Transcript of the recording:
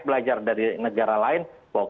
belajar dari negara lain bahwa